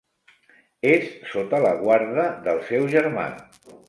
És sota la guarda del seu germà.